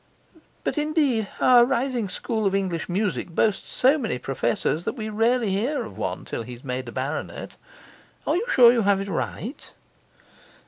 But indeed our rising school of English music boasts so many professors that we rarely hear of one till he is made a baronet. 'Are you sure you have it right?